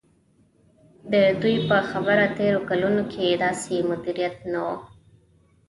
د دوی په خبره تېرو کلونو کې داسې مدیریت نه و.